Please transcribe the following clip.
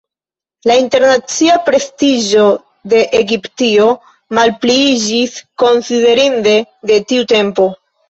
La internacia prestiĝo de Egiptio malpliiĝis konsiderinde de tiu tempo.